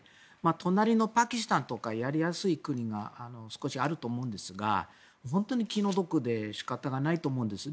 隣のパキスタンとかやりやすい国が少しあると思うんですが本当に気の毒で仕方がないと思うんです。